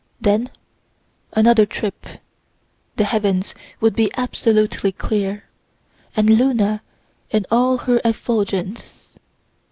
Then, another trip, the heavens would be absolutely clear, and Luna in all her effulgence.